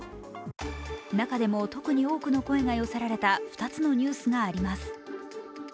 中でも特に多くの声が寄せられた２つのニュースがあります。